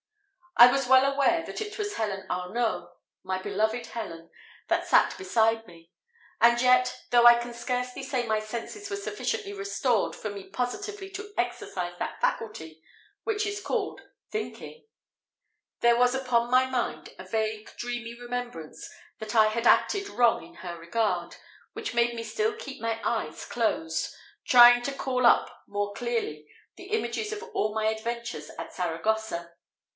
I was well aware that it was Helen Arnault my beloved Helen that sat beside me; and yet, though I can scarcely say my senses were sufficiently restored for me positively to exercise that faculty which is called thinking, there was upon my mind a vague dreamy remembrance that I had acted wrong in her regard, which made me still keep my eyes closed, trying to call up more clearly the images of all my adventures at Saragossa.